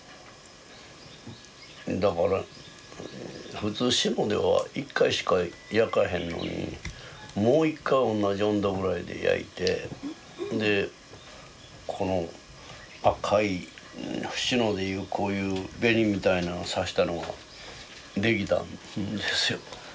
だから普通志野では１回しか焼かへんのにもう一回同じ温度ぐらいで焼いてでこの赤い志野でいうこういう紅みたいのをさしたのが出来たんですよ。